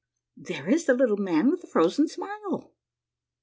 There is the Little Man with the Frozen Smile